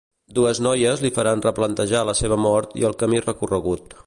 Dues noies li faran replantejar la seva mort i el camí recorregut.